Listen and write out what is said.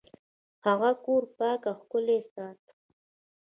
هغه کور پاک او ښکلی ساته.